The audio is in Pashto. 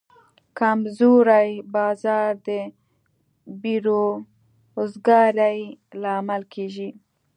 کمزوری بازار د بیروزګارۍ لامل کېږي.